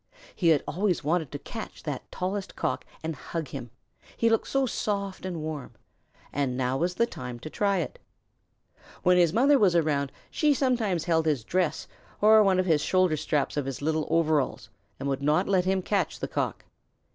He had always wanted to catch that tallest Cock and hug him he looked so soft and warm and now was the time to try it. When his mother was around she sometimes held his dress or one of the shoulder straps of his little overalls and would not let him catch the Cock.